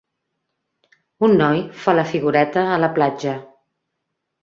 Un noi fa la figuereta a la platja.